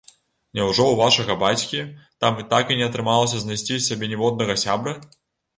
Няўжо ў вашага бацькі там так і не атрымалася знайсці сабе ніводнага сябра?